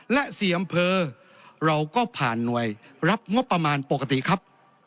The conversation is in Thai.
และ๔อำเภอเราก็ผ่านหน่วยรับงบประมาณปกติครับ